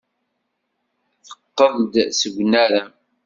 Teqqel-d seg unarem.